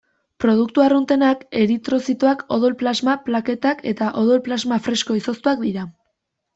Produktu arruntenak eritrozitoak, odol-plasma, plaketak eta odol-plasma fresko izoztuak dira.